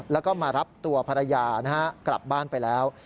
แล้วก็มารับตัวภรรยากลับบ้านไปแล้ว